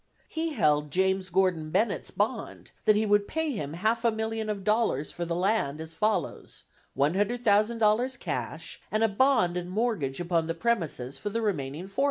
He held James Gordon Bennett's bond, that he would pay him half a million of dollars for the land, as follows: $100,000 cash, and a bond and mortgage upon the premises for the remaining $400,000.